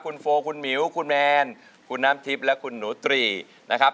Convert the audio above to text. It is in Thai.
คุณโฟคุณหมิวคุณแมนคุณน้ำทิพย์และคุณหนูตรีนะครับ